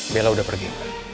bella udah pergi